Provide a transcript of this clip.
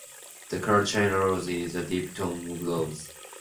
The color "China rose" is a deep tone of rose.